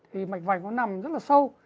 thì mạch vành nó nằm rất là sâu